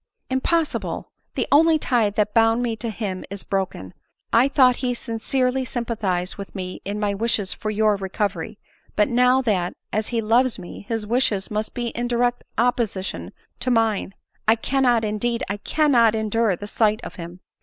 "Impossible ! The only tie that bound me to him is broken ; I thought he sincerely sympathized with me in my wishes for your recovery ; but now that, as he loves me, his wishes must be in direct opposition to mine — I cannot, indeed I cannot endure the sight of him."